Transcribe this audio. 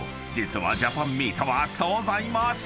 実はジャパンミートは］